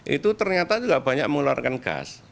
itu ternyata juga banyak mengeluarkan gas